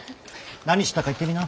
何したか言ってみな。